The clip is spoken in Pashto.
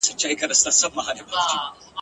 د ځان په ویر یم غلیمانو ته اجل نه یمه `